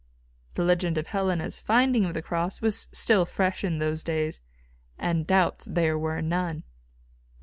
The legend of Helena's finding the cross was still fresh in those days, and doubts there were none.